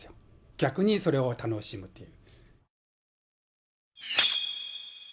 逆にそれを楽しむっていう。